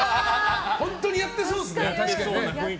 本当にやってそうですね。